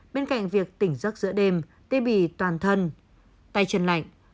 bên cạnh việc tỉnh giấc giữa đêm tê bì toàn thân tay chân lạnh